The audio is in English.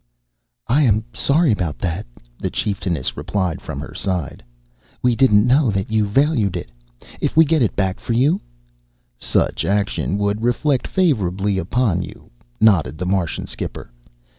"I am sorry about that," the chieftainess replied from her side. "We didn't know that you valued it. If we get it back for you " "Ssuch action would rreflect favorrably upon you," nodded the Martian skipper.